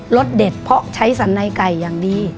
สเด็ดเพราะใช้สันในไก่อย่างดี